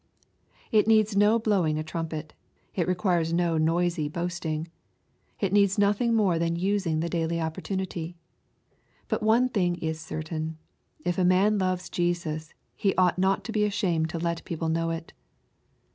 It needs no blowing a trumpet. It requires no noisy boasting. It needs noth ing more than using the daily opportunity. But one thing is certain ;— if a man loves Jesus, he ought not to be ashamed to let people know it.